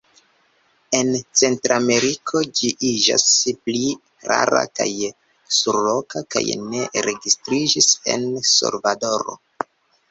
En Centrameriko ĝi iĝas pli rara kaj surloka, kaj ne registriĝis en Salvadoro.